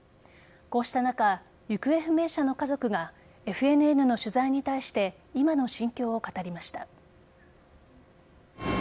こうした中行方不明者の家族がＦＮＮの取材に対して今の心境を語りました。